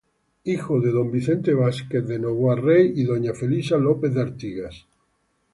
Hijo de don Vicente Vásquez de Novoa Rey y doña Felisa López de Artigas.